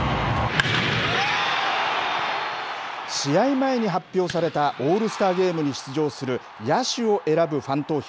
試合前に発表されたオールスターゲームに出場する野手を選ぶファン投票。